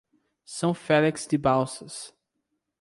São Félix de Balsas